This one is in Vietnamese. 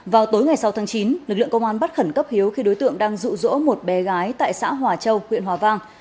vào tối ngày sáu tháng chín lực lượng công an bắt khẩn cấp hiếu khi đối tượng đang rụ rỗ một bé gái tại xã hòa châu huyện hòa vang